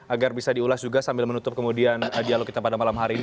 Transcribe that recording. agar bisa diulas juga sambil menutup kemudian dialog kita pada malam hari ini